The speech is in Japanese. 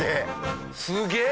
すげえ！